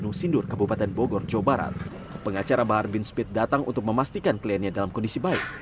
pada saat ini di kabupaten bogor jawa barat pengacara bahar bin smith datang untuk memastikan kliennya dalam kondisi baik